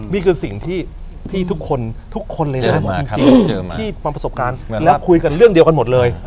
มีคือสิ่งที่ทุกคนที่คุยกันเรื่องเดียวกันหมดเลย